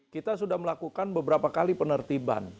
kita sudah melakukan beberapa kali penertiban